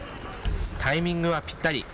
タイミングはぴったり。